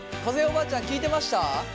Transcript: おばあちゃん聞いてました？